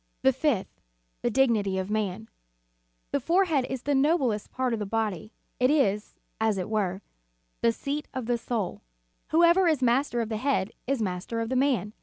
"* The fifth, the dignity of man. . The fore head is the noblest part of the body; it is, as it were, the seat of the soul. Whoever is master of the head is master of the man.